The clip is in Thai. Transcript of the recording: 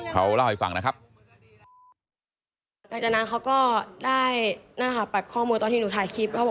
เขาเล่าให้ฟังนะครับ